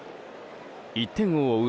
１点を追う